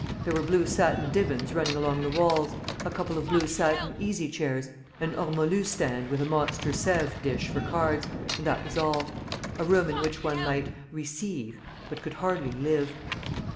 There were blue satin divans running along the walls, a couple of blue satin easy chairs, an ormolu stand with a monster Sèvres dish for cards, and that was all a room in which one might, "receive," but could scarcely live.